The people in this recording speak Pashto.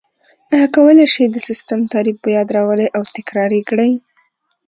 آیا کولای شئ د سیسټم تعریف په یاد راولئ او تکرار یې کړئ؟